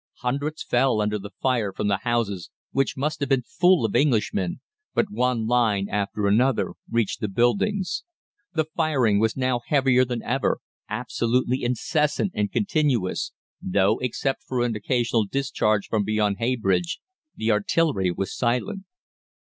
Hundreds fell under the fire from the houses, which must have been full of Englishmen, but one line after another reached the buildings. The firing was now heavier than ever absolutely incessant and continuous though, except for an occasional discharge from beyond Heybridge, the artillery was silent.